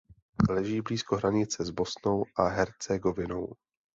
Leží blízko hranice s Bosnou a Hercegovinou.